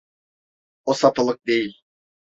O satılık değil.